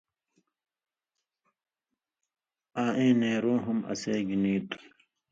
آں ایں نېروں ہُم اسے گی نی تُھو۔